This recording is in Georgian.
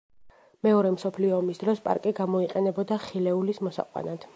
მეორე მსოფლიო ომის დროს პარკი გამოიყენებოდა ხილეულის მოსაყვანად.